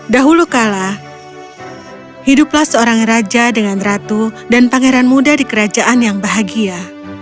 dahulu kala hiduplah seorang raja dengan ratu dan pangeran muda di kerajaan yang bahagia